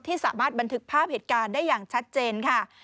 สามารถบันทึกภาพเหตุการณ์ได้อย่างชัดเจนค่ะ